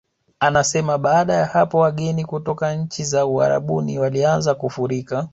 Anasema baada ya hapo wageni kutoka nchi za Uarabuni walianza kufurika